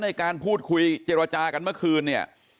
ในการพูดคุยเจรจากันเมื่อคืนเนี่ย